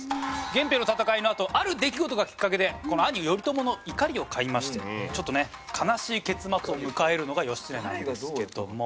源平の戦いのあとある出来事がきっかけでこの兄頼朝の怒りを買いましてちょっとね悲しい結末を迎えるのが義経なんですけども。